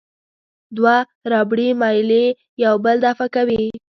دوه ربړي میلې یو بل دفع کوي.